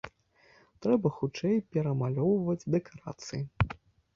Трэба хутчэй перамалёўваць дэкарацыі.